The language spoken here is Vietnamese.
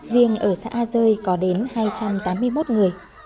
riêng ở xã a dơi có đến hai trăm tám mươi một người